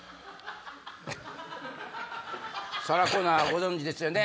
サラ・コナーご存じですよね？